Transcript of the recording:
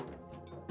jadi itu adalah suci